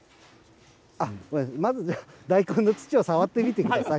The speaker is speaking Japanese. まず大根の土を触ってみてください。